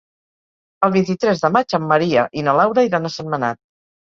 El vint-i-tres de maig en Maria i na Laura iran a Sentmenat.